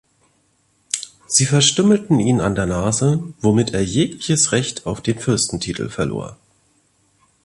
Sie verstümmelten ihn an der Nase, womit er jegliches Recht auf den Fürstentitel verlor.